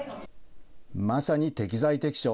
まさに適材適所。